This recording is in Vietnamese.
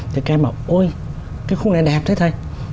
thì các em bảo ôi cái khu này đẹp thế thầy